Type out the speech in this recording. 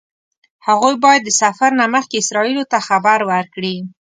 هغوی باید د سفر نه مخکې اسرائیلو ته خبر ورکړي.